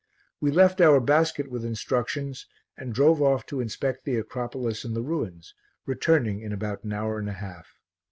We left our basket with instructions and drove off to inspect the acropolis and the ruins, returning in about an hour and a half.